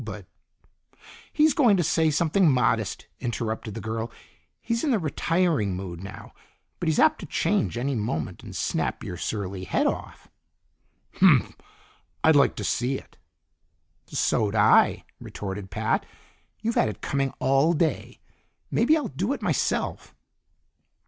But " "He's going to say something modest," interrupted the girl. "He's in the retiring mood now, but he's apt to change any moment, and snap your surly head off." "Humph! I'd like to see it." "So'd I," retorted Pat. "You've had it coming all day; maybe I'll do it myself."